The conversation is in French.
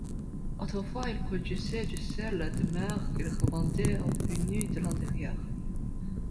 Autrefois, ils produisaient du sel de mer qu'ils revendaient aux Punu de l'intérieur.